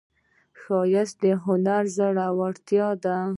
ښایست د هنر زړورتیا ده